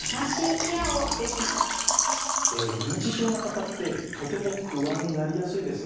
認知症の方ってとても不安になりやすいです。